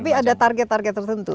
tapi ada target target tertentu